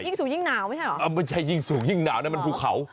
ยิ่งสูงยิ่งหนาวไม่ใช่เหรอเออไม่ใช่ยิ่งสูงยิ่งหนาวนะมันภูเขา